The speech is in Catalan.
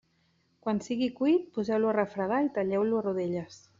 Quan sigui cuit, poseu-lo a refredar i talleu-lo a rodelles.